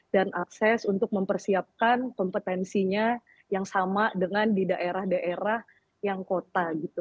dan akses untuk mempersiapkan kompetensinya yang sama dengan di daerah daerah yang kota